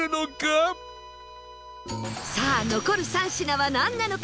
さあ残る３品はなんなのか？